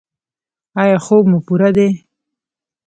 ایا خوب مو پوره دی؟